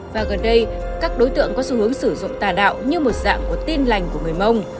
và gần đây các đối tượng có xu hướng sử dụng tà đạo như một dạng của tin lành của người mông